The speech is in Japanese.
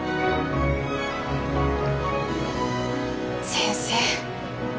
先生